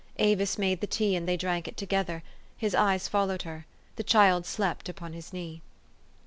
Avis made the tea, and they drank it together : his eyes followed her. The child slept upon his knee.